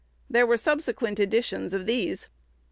There were subsequent editions of these.